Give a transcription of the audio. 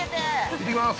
◆行ってきます。